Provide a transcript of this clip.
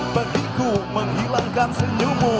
petiku menghilangkan senyummu